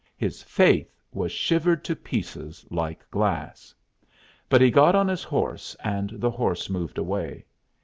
His faith was shivered to pieces like glass. But he got on his horse, and the horse moved away.